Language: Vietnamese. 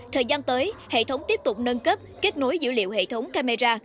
thời gian tới hệ thống tiếp tục nâng cấp kết nối dữ liệu hệ thống camera